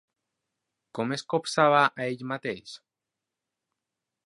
Com es copsava a ell mateix?